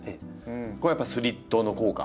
これやっぱスリットの効果？